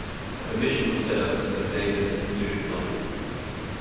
A commission was set up to survey the disputed land.